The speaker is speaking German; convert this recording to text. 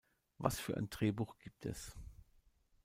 Was für ein Drehbuch gibt es?